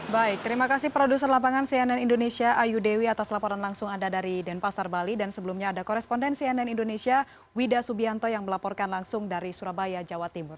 baik terima kasih produser lapangan cnn indonesia ayu dewi atas laporan langsung anda dari denpasar bali dan sebelumnya ada korespondensi nn indonesia wida subianto yang melaporkan langsung dari surabaya jawa timur